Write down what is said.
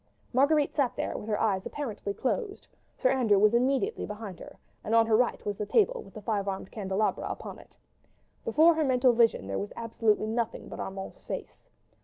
Marguerite sat there with her eyes apparently closed. Sir Andrew was immediately behind her, and on her right was the table with the five armed candelabra upon it. Before her mental vision there was absolutely nothing but Armand's face.